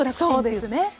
そうですね。